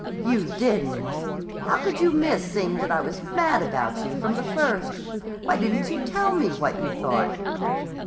"You didn't! How could you miss seeing that I was mad about you from the first? Why didn't you tell me what you thought?"